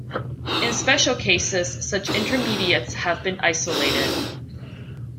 In special cases, such intermediates have been isolated.